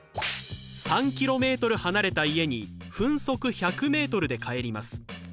３ｋｍ離れた家に分速１００ｍで帰ります。